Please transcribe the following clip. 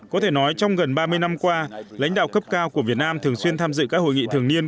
có thể nói trong gần ba mươi năm qua lãnh đạo cấp cao của việt nam thường xuyên tham dự các hội nghị thường niên